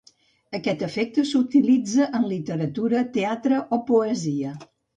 Aquest efecte s'utilitza en literatura, teatre o poesia.